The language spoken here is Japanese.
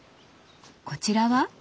こちらは？